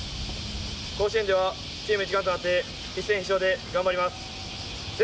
甲子園ではチーム一丸となって一戦必勝で頑張ります。